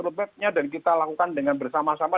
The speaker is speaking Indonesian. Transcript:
roadmap nya dan kita lakukan dengan bersama sama